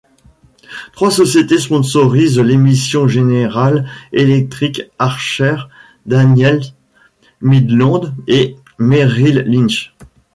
Trois sociétés sponsorisent l'émission General Electric, Archer Daniels Midland et Merrill Lynch.